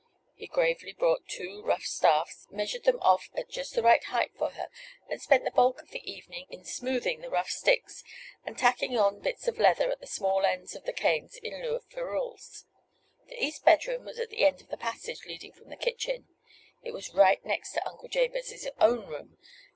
He gravely brought two rough staffs, measured them off at just the right height for her, and spent the bulk of the evening in smoothing the rough sticks and tacking on bits of leather at the small ends of the canes in lieu of ferrules. The east bedroom was at the end of the passage leading from the kitchen. It was right next to Uncle Jabez's own room.